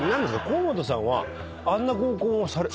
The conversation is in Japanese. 河本さんはあんな合コンを。